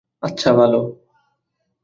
আচ্ছা, ভালো।